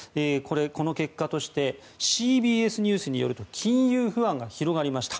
この結果としてＣＢＳニュースによると金融不安が広がりました。